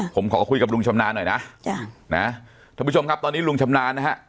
ผมขอคุยกับลุงชำนาญหน่อยนะจ้ะนะท่านผู้ชมครับตอนนี้ลุงชำนาญนะฮะ